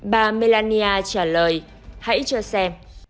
bà melania trả lời hãy cho xem